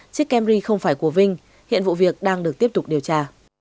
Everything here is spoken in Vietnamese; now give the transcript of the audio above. chiếc camry không phải của vinh hiện vụ việc đang được tiếp tục điều tra